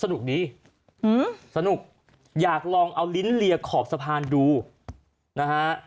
ดีสนุกอยากลองเอาลิ้นเลียขอบสะพานดูนะฮะ